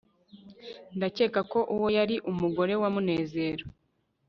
ndakeka ko uwo yari umugore wa munezero